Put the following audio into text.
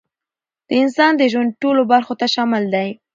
د انسان د ژوند ټولو برخو ته شامل دی،